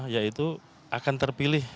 yaitu akan terpilih